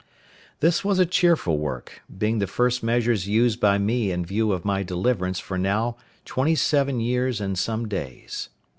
This was a cheerful work, being the first measures used by me in view of my deliverance for now twenty seven years and some days.